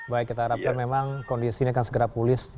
baik kita harapkan memang kondisinya akan segera pulih